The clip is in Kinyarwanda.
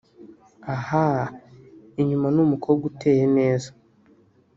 Ahhha inyuma ni umukobwa uteye neza